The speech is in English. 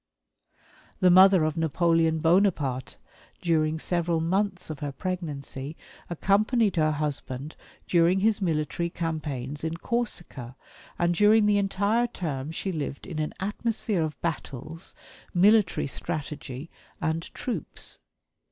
The mother of Napoleon Bonaparte during several months of her pregnancy, accompanied her husband during his military campaigns in Corsica, and during the entire term she lived in an atmosphere of battles, military strategy, and troops.